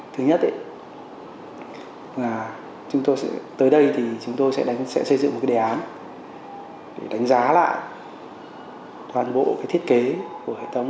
thứ nhất tới đây thì chúng tôi sẽ xây dựng một cái đề án để đánh giá lại toàn bộ cái thiết kế của hệ thống